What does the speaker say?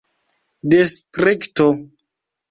distrikto